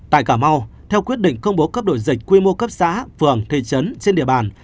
tại cà mau theo quyết định công bố cấp đội dịch quy mô cấp xã phường thị trấn trên địa bàn